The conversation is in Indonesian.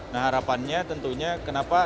nah harapannya tentunya kenapa